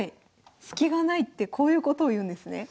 スキがないってこういうことを言うんですね。